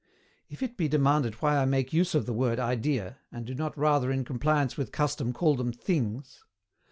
If it be demanded why I make use of the word IDEA, and do not rather in compliance with custom call them THINGS.